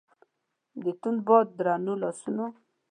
د توند باد درنو لاسونو